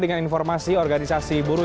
dengan informasi organisasi buruh